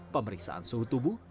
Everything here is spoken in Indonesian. pemeriksaan suhu tubuh